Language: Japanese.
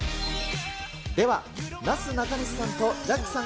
では、なすなかにしさんとジャックさん